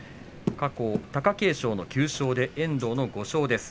過去、貴景勝の９勝で遠藤の５勝です。